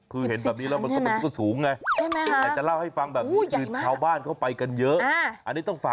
ตึกกี่ชั้นคุณอาจนะโอ้โหหลายชั้นเป็น๑๐ชั้นอ่ะ